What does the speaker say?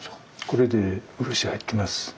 これで漆入ってます。